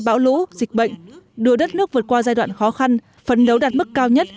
bão lũ dịch bệnh đưa đất nước vượt qua giai đoạn khó khăn phấn đấu đạt mức cao nhất